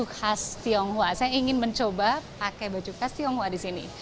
khas tionghoa saya ingin mencoba pakai baju khas tionghoa di sini